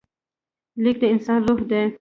لیک د انسان روح دی.